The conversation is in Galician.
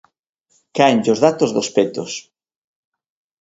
Cáenlle os datos dos petos.